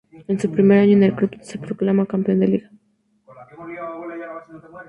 En su primer año en el club se proclama campeón de Liga.